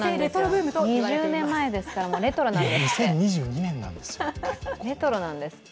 ２０年前ですから、もうレトロなんですって。